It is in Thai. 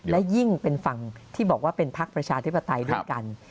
และยิ่งเป็นฝั่งที่บอกว่าเป็นพักประชาธิปไตยด้วยกัน